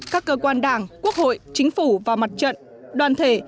các cơ quan đảng quốc hội chính phủ và mặt trận đoàn thể